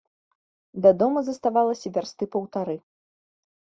Да дому заставалася вярсты паўтары.